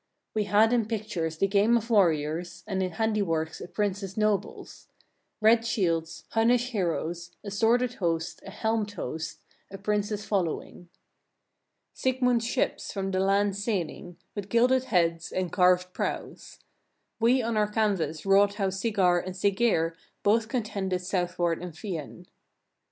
15. We had in pictures the game of warriors, and in handiworks a prince's nobles; red shields, Hunnish heroes, a sworded host, a helmed host, a prince's following. 16. Sigmund's ships from the land sailing, with gilded heads, and carved prows. We on our canvas wrought how Sigar and Siggeir both contended southward in Fyen.